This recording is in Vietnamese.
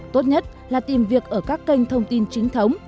tốt nhất là tìm việc ở các kênh thông tin chính thống